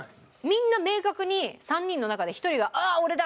みんな明確に３人の中で１人が「あっ俺だ」